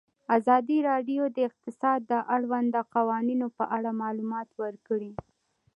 ازادي راډیو د اقتصاد د اړونده قوانینو په اړه معلومات ورکړي.